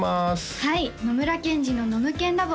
はい野村ケンジのノムケンＬａｂ！